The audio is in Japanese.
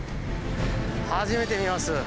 初めて見ます